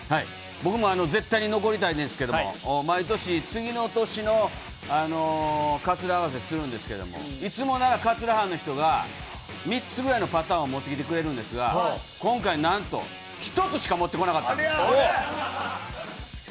僕も絶対に残りたいんですけども、毎年、次の年のかつら合わせするんですけど、いつもならかつら班の人が３つぐらいのパターンを持ってきてくれるんですが、今回、なんと１つしか持ってこなかったんです。